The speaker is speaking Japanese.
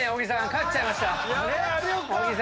勝っちゃいました。